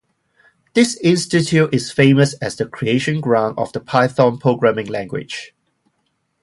This institute is famous as the creation ground of the Python Programming Language.